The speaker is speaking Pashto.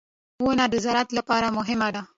• ونه د زراعت لپاره مهمه ده.